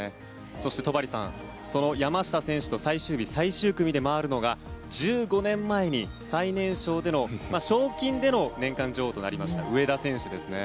そして、戸張さん山下選手と最終日、最終組で回るのが１５年前に最年少での賞金での年間女王となりました上田選手ですね。